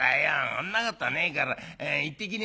そんなことねえから行ってきねえな」。